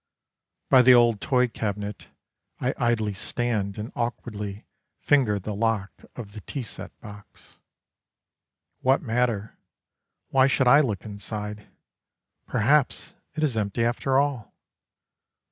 By the old toy cabinet, I idly stand and awkwardly Finger the lock of the tea set box. What matter why should I look inside, Perhaps it is empty after all!